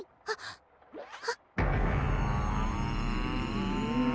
はっ！あっ。